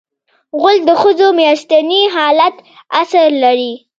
غول د ښځو د میاشتني حالت اثر لري.